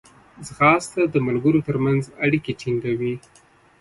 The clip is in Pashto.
ځغاسته د ملګرو ترمنځ اړیکې ټینګوي